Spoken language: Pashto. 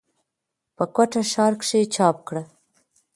پۀ کوټه ښارکښې چاپ کړه ۔